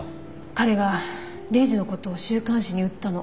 彼がレイジのことを週刊誌に売ったの。